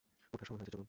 উঠার সময় হয়েছে, চলুন!